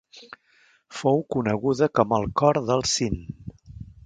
Fou coneguda com el Cor del Sind.